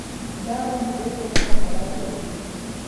دا به مو بېرته هغه پړاو ته بوځي.